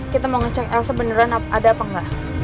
kita mau ngecek elsa beneran ada apa gak